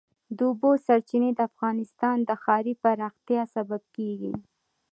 د اوبو سرچینې د افغانستان د ښاري پراختیا سبب کېږي.